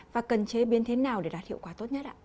và cần chế biến thế nào để đạt hiệu quả tốt nhất ạ